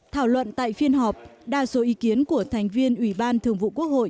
thảo luận tại phiên họp đa số ý kiến của thành viên ủy ban thường vụ quốc hội